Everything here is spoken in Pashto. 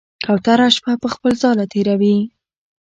کوتره شپه په خپل ځاله تېروي.